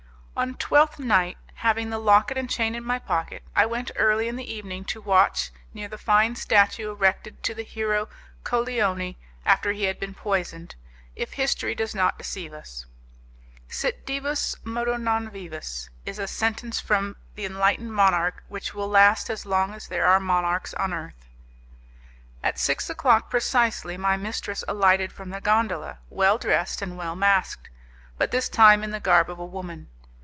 On Twelfth Night, having the locket and chain in my pocket, I went early in the evening to watch near the fine statue erected to the hero Colleoni after he had been poisoned, if history does not deceive us. 'Sit divus, modo non vivus', is a sentence from the enlightened monarch, which will last as long as there are monarchs on earth. At six o'clock precisely my mistress alighted from the gondola, well dressed and well masked, but this time in the garb of a woman.